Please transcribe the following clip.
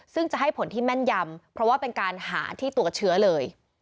ซึ่งจะให้ผลที่แม่นยำเพราะว่าเป็นการหาที่ตัวเชื้อเลย